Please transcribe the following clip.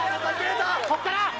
ここから！